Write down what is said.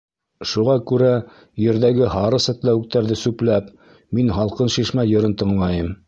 Шуға күрә ерҙәге Һары сәтләүектәрҙе сүпләп, мин Һалҡын шишмә йырын тыңлайым.